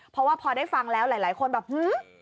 เพราะว่าพอได้ฟังแล้วหลายคนแบบฮือ